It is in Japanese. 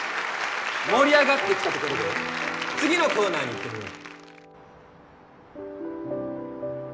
盛り上がってきたところで次のコーナーに行ってみよう。